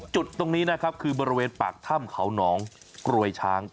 จุดตรงนี้นะครับคือบริเวณปากถ้ำเขาหนองกรวยช้าง